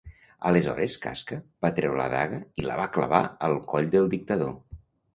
Aleshores Casca va treure la daga i la va clavar al coll del dictador.